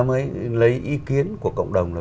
mới lấy ý kiến của cộng đồng là